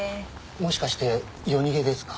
もしかして夜逃げですか？